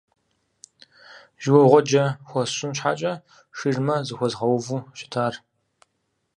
Жьыуэгъуэджэ хуэсщӀын щхьэкӀэ, ширмэ зыхуэзгъэуву щытар.